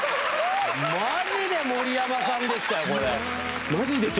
まじで森山さんでしたよ、これ。